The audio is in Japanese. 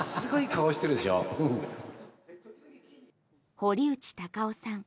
堀内孝雄さん